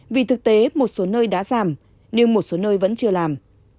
vì thực tế một số nơi đã giảm nhưng một số nơi vẫn chưa làm